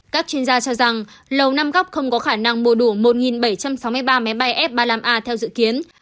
các chuyên gia cho rằng lầu năm góc không có khả năng mua đủ một bảy trăm sáu mươi ba máy bay f ba mươi năm a theo dự kiến